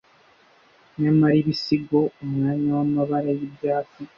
Nyamara "ibisigo," umwanya wamabara yibyatsi